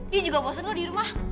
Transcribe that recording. dia juga bosen loh dirumah